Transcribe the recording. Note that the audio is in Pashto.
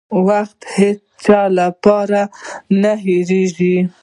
• وخت د هیڅ چا لپاره نه درېږي.